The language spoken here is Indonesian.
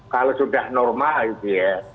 kalau sudah normal gitu ya